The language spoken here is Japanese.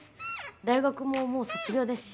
大学ももう卒業ですし。